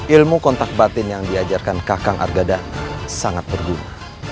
ilmu kontak batin yang diajarkan kakak arga dana sangat berguna